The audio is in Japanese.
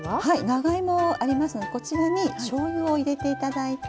長芋ありますのでこちらにしょうゆを入れていただいて。